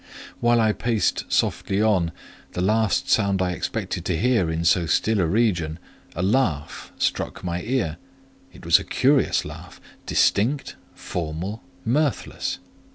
While I paced softly on, the last sound I expected to hear in so still a region, a laugh, struck my ear. It was a curious laugh; distinct, formal, mirthless.